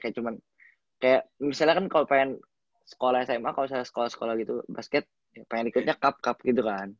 kayak misalnya kalo pengen sekolah sma kalo misalnya sekolah sekolah gitu basket pengen ikutnya cup cup gitu kan